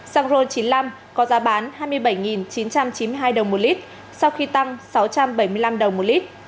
xăng ron chín mươi năm có giá bán hai mươi bảy chín trăm chín mươi hai đồng một lít sau khi tăng sáu trăm bảy mươi năm đồng một lít